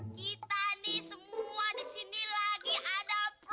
tidak tidak tidak